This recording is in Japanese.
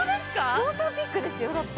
ウォーターピックですよ、だって。